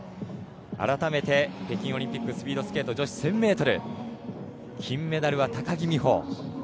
改めて北京オリンピックスピードスケート女子１０００ｍ金メダルは高木美帆。